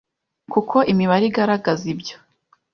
kuko imibare igaragaza ibyo